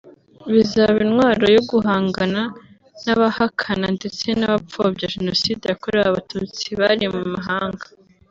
bizaba intwaro yo guhangana n’abahakana ndetse n’abapfobya Jenoside yakorewe Abatutsi bari mu mahanga